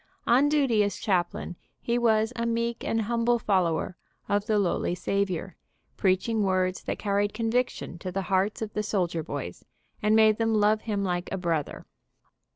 On duty as chaplain he was a meek and humble fol lower of the lowly Savior, preaching words that car ried conviction to the hearts of the soldier boys, and made them love him like a brother.